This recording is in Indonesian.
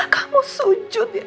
kamu sujud ya